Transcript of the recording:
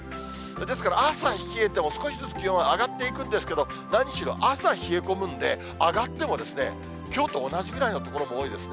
ですから、朝冷えても、少しずつ気温は上がっていくんですけど、何しろ朝、冷え込むんで、上がっても、きょうと同じぐらいの所も多いですね。